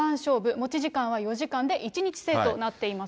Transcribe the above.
持ち時間は４時間で１日制となっています。